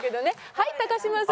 はい嶋さん。